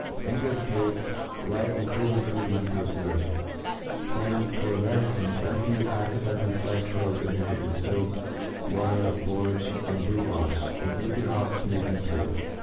In this cafe j light and cooling food muft be obferved ; and, for a medicine, infufe half a dozen diced doves into the diftilled water of borage and bu glofs, and dip your hawk's meat into it.